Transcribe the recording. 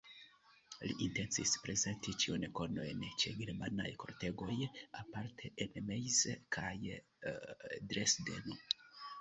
Li intencis prezenti ĉiujn konojn ĉe germanaj kortegoj, aparte en Mainz kaj Dresdeno.